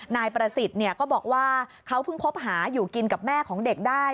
นายประสิทธิ์ก็บอกว่าเขาเพิ่งคบหาอยู่กินกับแม่ของเด็กได้